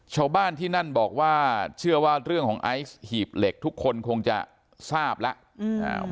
ชาวบ้านที่นั่นบอกว่าเชื่อว่าเรื่องของไอซ์หีบเหล็กทุกคนคงจะทราบแล้ว